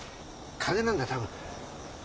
風邪なんだ多分。